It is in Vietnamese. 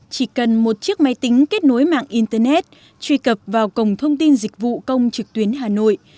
chỉ cần một chiếc máy tính kết nối mạng internet truy cập vào cổng thông tin dịch vụ công trực tuyến hà nội